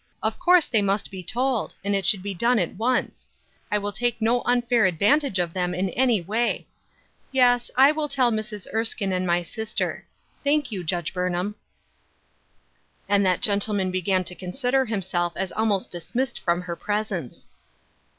Of course they must be told ; and it should be done at once ; I will take no unfair advantage of them in any way. Yes, I will tell Mrs. Erskine and my sister. Thank you. Judge Burnham." And that gentleman began to consider himself as almost dismissed from her presence.